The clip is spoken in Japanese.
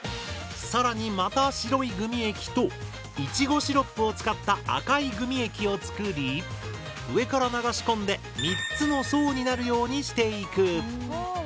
更にまた白いグミ液とイチゴシロップを使った赤いグミ液を作り上から流し込んで３つの層になるようにしていく。